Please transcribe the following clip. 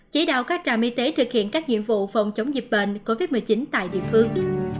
chỉ đạo các trạm y tế thực hiện các nhiệm vụ phòng chống dịch bệnh covid một mươi chín tại địa phương